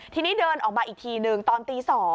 ทีนี้เดินออกมาอีกทีนึงตอนตี๒